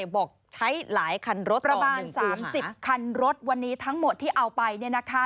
บอกใช้หลายคันรถประมาณ๓๐คันรถวันนี้ทั้งหมดที่เอาไปเนี่ยนะคะ